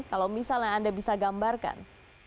kalau misalnya anda bisa gambarkan